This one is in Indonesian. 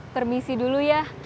permisi dulu ya